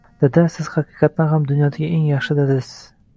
Dada, siz haqiqatan ham dunyodagi eng yaxshi dadasiz